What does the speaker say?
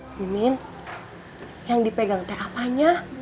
mimin yang dipegang teh apanya